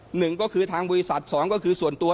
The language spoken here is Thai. หนึ่งก็คือทางบริษัทสองก็คือส่วนตัว